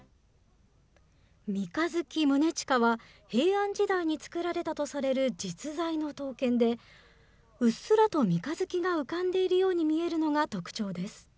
三日月宗近は、平安時代に作られたとされる実在の刀剣で、うっすらと三日月が浮かんでいるように見えるのが特徴です。